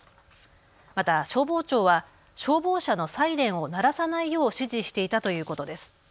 また消防長は消防車のサイレンを鳴らさないよう指示していたということです。